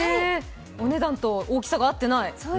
お値段と大きさが合ってない。